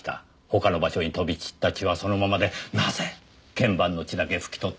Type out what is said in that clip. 他の場所に飛び散った血はそのままでなぜ鍵盤の血だけ拭き取ったのでしょう？